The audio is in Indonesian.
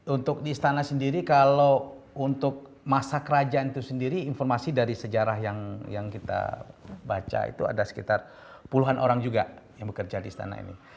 untuk di istana sendiri kalau untuk masa kerajaan itu sendiri informasi dari sejarah yang kita baca itu ada sekitar puluhan orang juga yang bekerja di istana ini